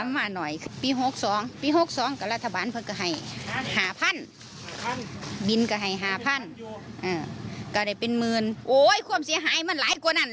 ไม่คุ้มกัน